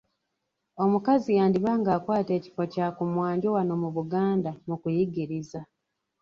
Omukazi yandiba ng’akwata ekifo kya ku mwanjo wano mu Buganda mu kuyigiriza.